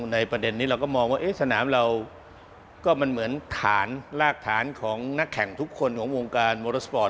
ในประเด็นนี้เราก็มองว่าสนามเราก็มันเหมือนฐานรากฐานของนักแข่งทุกคนของวงการโมเลอร์สปอร์ต